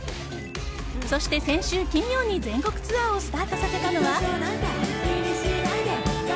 そして先週金曜に全国ツアーをスタートさせたのは。